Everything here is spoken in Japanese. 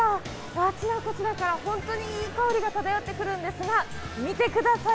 あちらこちらから、本当にいい香りが漂ってくるんですが、見てください。